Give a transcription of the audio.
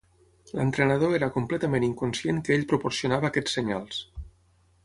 L'entrenador era completament inconscient que ell proporcionava aquests senyals.